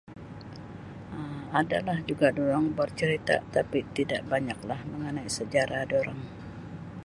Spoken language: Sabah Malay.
Um Adalah juga dorang bercerita tapi tidak banyaklah mengenai sejarah dorang.